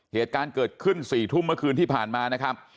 เหตุการณ์เกิดขึ้น๔ทุ่มเมื่อคืนที่ผ่านมานะครับ